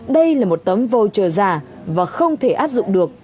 đó là lực tài không